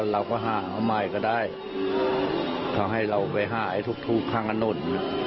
เราก็ห่าเอาใหม่ก็ได้เขาให้เราไปห้าทุกทุกข้างกระหนุ่น